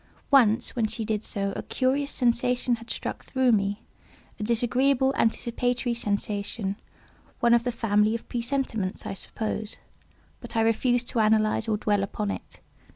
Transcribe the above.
Once, when she did so, a curious sensation had struck through me—a disagreeable anticipatory sensation—one of the family of presentiments, I suppose—but I refused to analyze or dwell upon it.